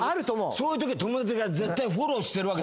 そういうとき友達が絶対フォローしてるわけ。